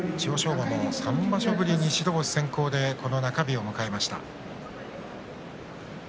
馬も３場所ぶりに白星先行でこの中日を迎えました。